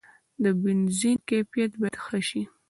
د بنزین کیفیت باید ښه شي.